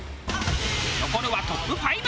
残るはトップ５。